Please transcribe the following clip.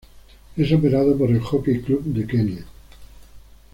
Es operado por el Jockey Club de Kenia.